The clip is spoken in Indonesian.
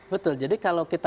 betul jadi kalau kita